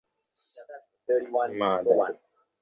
কিন্তু ওই তালিকায় শ্যামনগর, কয়রার মতো এলাকার বেড়িবাঁধ নেই।